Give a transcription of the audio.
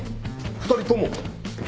２人とも？